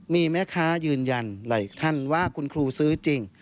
มีแม่ค้ายืนยันหลายท่านว่าคุณครูซื้อจริง